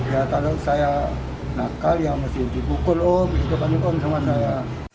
ya kalau saya nakal ya mesti dibukul oh begitu banyak orang semua